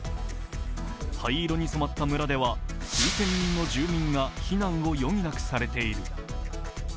灰色に染まった村では数千人の住民が避難を余儀なくされている。